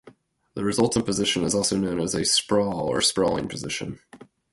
The resultant position is also known as a sprawl or sprawling position.